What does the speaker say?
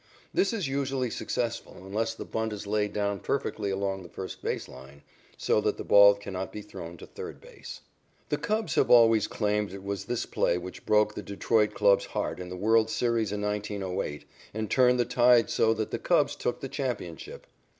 This is usually successful unless the bunt is laid down perfectly along the first base line, so that the ball cannot be thrown to third base. The Cubs have always claimed it was this play which broke the Detroit club's heart in the world's series in 1908, and turned the tide so that the Cubs took the championship.